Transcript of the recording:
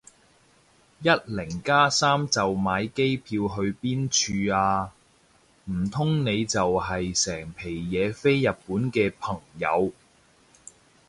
一零加三就買機票去邊處啊？唔通你就係成皮嘢飛日本嘅朋友